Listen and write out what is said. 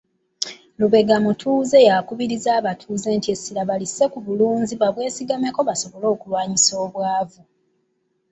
Lubega Mutunzi yakubirizza abatuuze nti essira balisse ku bulunzi babwesigameko okulwanyisa obwavu.